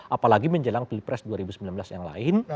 apalagi menjelang pilpres dua ribu sembilan belas yang lain